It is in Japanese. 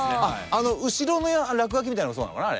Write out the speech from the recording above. あの後ろの落書きみたいなのもそうなのかな？